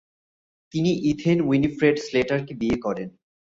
তিনি Ethel Winifred Slater কে বিয়ে করেন।